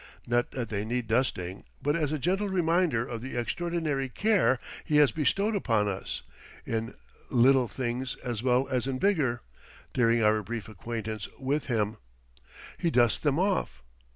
Not that they need dusting; but as a gentle reminder of the extraordinary care he has bestowed upon us, in little things as well as in bigger, during our brief acquaintance with him, he dusts them off.